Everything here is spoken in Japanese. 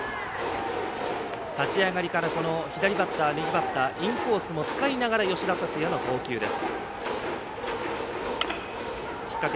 立ち上がりから左バッター、右バッターインコースを使いながらの吉田達也の投球です。